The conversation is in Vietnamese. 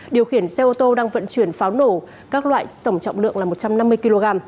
điều khiển xe ô tô đang vận chuyển pháo nổ các loại tổng trọng lượng là một trăm năm mươi kg